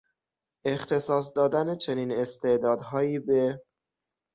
اختصاص دادن چنین استعدادهایی به...